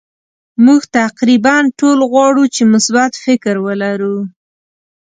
مونږ تقریبا ټول غواړو چې مثبت فکر ولرو.